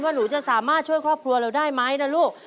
หนูจะสามารถช่วยครอบครัวเราได้ไหมนะลูก